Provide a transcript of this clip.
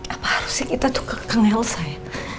apa harusnya kita tuh kekeng elsa ya